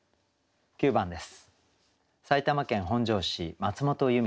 ９番です。